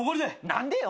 何でよ